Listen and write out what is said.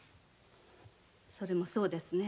それもそうですねぇ。